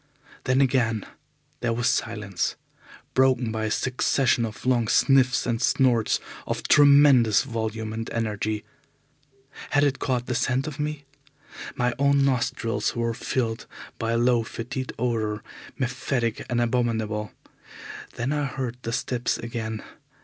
Then again there was silence, broken by a succession of long sniffs and snorts of tremendous volume and energy. Had it caught the scent of me? My own nostrils were filled by a low fetid odour, mephitic and abominable. Then I heard the steps again.